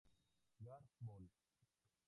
Gard., Bol.